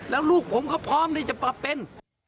แล้วลูกผมก็พร้อมที่จะปรับเป็น